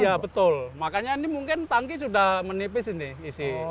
iya betul makanya ini mungkin tangki sudah menipis ini isi